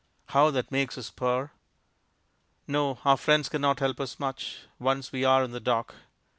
How that makes us purr! No, our friends cannot help us much, once we are in the dock.